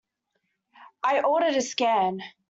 I ordered a scan.